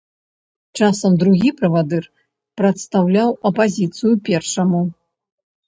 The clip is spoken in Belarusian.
Часам другі правадыр прадстаўляў апазіцыю першаму.